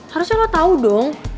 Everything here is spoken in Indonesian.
harusnya lo tau dong